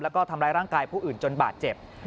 แล้วก็ทำร้ายร่างกายผู้อื่นจนบาดเจ็บ